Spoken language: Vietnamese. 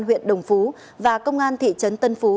huyện đồng phú và công an thị trấn tân phú